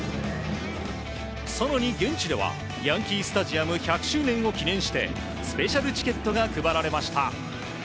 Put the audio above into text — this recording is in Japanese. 更に現地ではヤンキー・スタジアム１００周年を記念してスペシャルチケットが配られました。